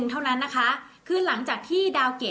ส่งผลทำให้ดวงชะตาของชาวราศีมีนดีแบบสุดเลยนะคะ